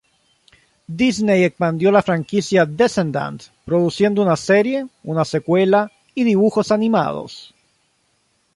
Disney expandió la franquicia "Descendants" produciendo una serie, una secuela y dibujos animados.